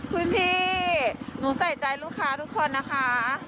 คุณพี่หนูใส่ใจลูกค้าทุกคนนะคะ